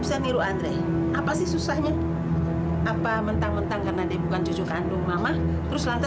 sampai jumpa di video selanjutnya